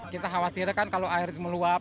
kita khawatirkan kalau air itu meluap